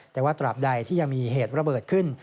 แต่ว่าตราบใดที่ยังมีเหตุระเบิดขึ้น